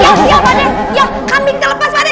ya siapa deh ya kambing terlepas padeh